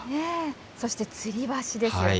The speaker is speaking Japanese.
そして、つり橋ですよね。